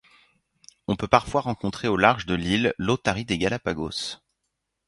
On peut parfois rencontrer au large de l'île l'Otarie des Galápagos.